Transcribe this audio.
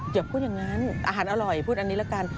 พูดอย่างนั้นอาหารอร่อยพูดอันนี้ละกัน